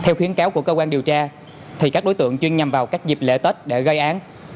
theo khuyến cáo của cơ quan điều tra thì các đối tượng chuyên nhằm vào các dịp lễ tết để gây án